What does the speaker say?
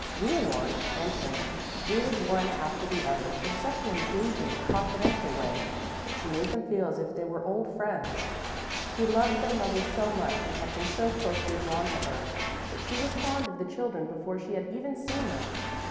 Leonore, entering, greeted one after the other in such an engaging, confidential way that she made them feel as if they were old friends. She loved their mother so much and had been so closely drawn to her that she was fond of the children before she had even seen them.